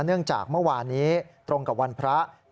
เนื่องจากเมื่อวานนี้ตรงกับวันพระ